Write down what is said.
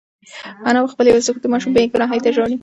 انا په خپل یوازیتوب کې د ماشوم بې گناهۍ ته ژاړي.